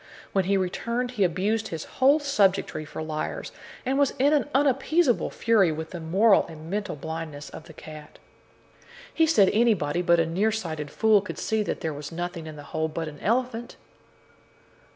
When he returned, he abused his whole subjectry for liars, and was in an unappeasable fury with the moral and mental blindness of the cat. He said that anybody but a near sighted fool could see that there was nothing in the hole but an elephant.